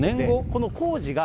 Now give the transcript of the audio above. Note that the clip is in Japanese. この工事が。